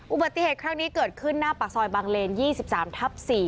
อุบัติเหตุครั้งนี้เกิดขึ้นหน้าปากซอยบางเลนยี่สิบสามทับสี่